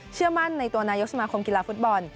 เชื่อมั่นในตัวนายกสมาคมกีฬาฟุตบอล